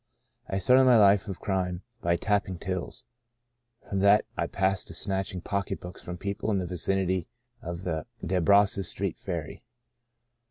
" I started my life of crime by tapping tills. From that I passed to snatching pocketbooks Sons of Ishmael 103 from people in the vicinity of the Desbrosses Street Ferry.